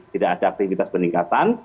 tidak ada aktivitas peningkatan